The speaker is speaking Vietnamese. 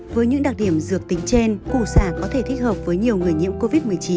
với những đặc điểm dược tính trên cụ sả có thể thích hợp với nhiều người nhiễm covid một mươi chín